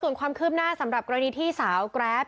ส่วนความคืบหน้าสำหรับกรณีที่สาวแกรป